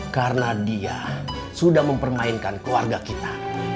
karena dia sudah mempermainkan keluarga kita